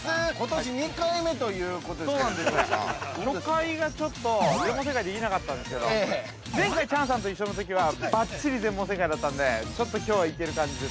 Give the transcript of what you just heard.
◆初回がちょっと、全問正解できなかったんですけど前回チャンさんと一緒のときはばっちり全問正解だったのでちょっときょうは行ける感じです。